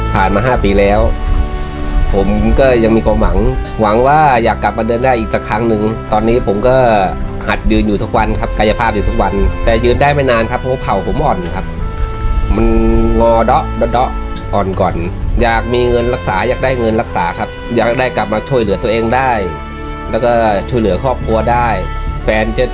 มา๕ปีแล้วผมก็ยังมีความหวังหวังว่าอยากกลับมาเดินได้อีกสักครั้งนึงตอนนี้ผมก็หัดยืนอยู่ทุกวันครับกายภาพอยู่ทุกวันแต่ยืนได้ไม่นานครับเพราะเผ่าผมอ่อนครับมันงอเดาะอ่อนก่อนอยากมีเงินรักษาอยากได้เงินรักษาครับอยากได้กลับมาช่วยเหลือตัวเองได้แล้วก็ช่วยเหลือครอบครัวได้แฟนจะ